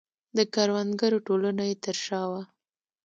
د کروندګرو ټولنه یې تر شا وه.